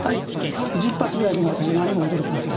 １０発くらいでも私は何も驚きません。